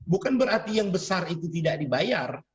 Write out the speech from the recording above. bukan berarti yang besar itu tidak dibayar